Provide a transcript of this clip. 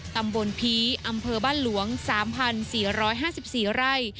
ตำบลผีอำเภอบ้านหลวง๓๔๕๔ไร่